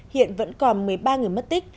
hiện vẫn còn một mươi ba người mất tích